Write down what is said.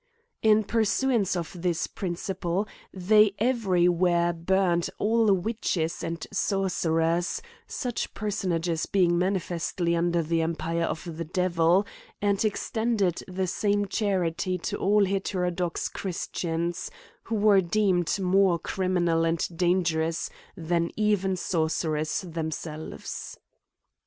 In pursuance of this principle they every where burned all witches and sorcerers ; such personages being manifestly under the empire of the devil ; and extended the same charity to all heterodox christians, who were deemud more criminal and dangerous than even sorcerers themselves.